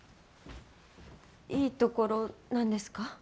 いいところなんですか？